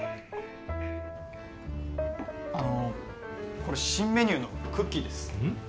あのこれ新メニューのクッキーです。